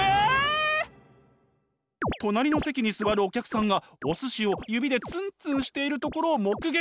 隣の席に座るお客さんがお寿司を指でツンツンしているところを目撃！